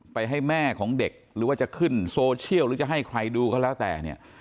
ให้แม่ของเด็กหรือว่าจะขึ้นโซเชียลหรือจะให้ใครดูก็แล้วแต่เนี่ย